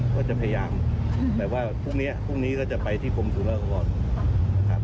ก็จะพยายามแต่ว่าพรุ่งนี้ก็จะไปที่กรมสุรากากแรง